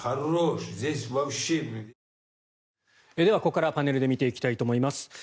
ではここからパネルで見ていきたいと思います。